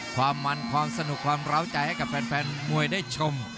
ความมันความสนุกความร้าวใจให้กับแฟนมวยได้ชม